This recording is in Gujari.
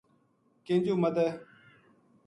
کینجو مدھے